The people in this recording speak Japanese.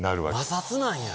摩擦なんや。